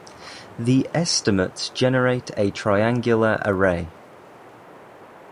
The estimates generate a triangular array.